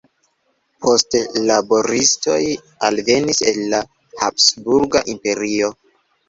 Poste laboristoj alvenis el la Habsburga Imperio.